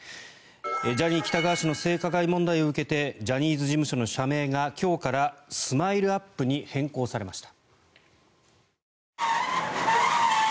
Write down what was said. ジャニー喜多川氏の性加害問題を受けてジャニーズ事務所の社名が今日からＳＭＩＬＥ−ＵＰ．に変更されました。